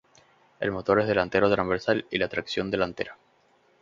El motor es delantero transversal y la tracción delantera.